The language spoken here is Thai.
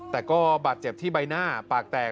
แต่ก็บาดเจ็บที่ใบหน้าปากแตก